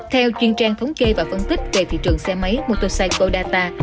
theo chuyên trang thống kê và phân tích về thị trường xe máy motosaiko data